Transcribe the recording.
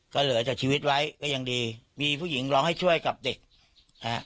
ก็เหลือจากชีวิตไว้ก็ยังดีมีผู้หญิงร้องให้ช่วยกับเด็กนะฮะ